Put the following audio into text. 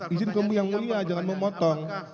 izin kamu yang mulia jangan memotong